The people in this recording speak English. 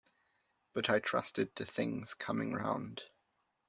But I trusted to things coming round.